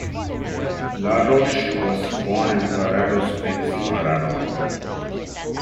LaRoche was born in Colorado Springs, Colorado.